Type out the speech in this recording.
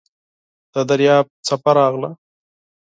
د دریاب څپه راغله .